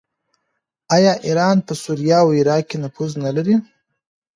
آیا ایران په سوریه او عراق کې نفوذ نلري؟